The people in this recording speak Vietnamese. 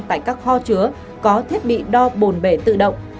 tại các kho chứa có thiết bị đo bồn bể tự động